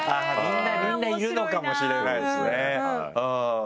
みんないるのかもしれないですね。